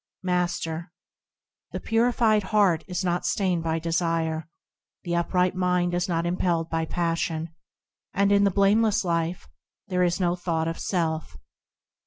Master. The purified heart is not stained by desire ; The upright mind is not impelled by passion ; And in the blameless life there is no thought of self.